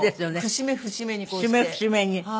節目節目にこうして。